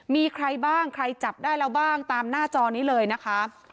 มีใครบ้างใครจับได้แล้วบ้างตามหน้าจอนี้เลยนะคะ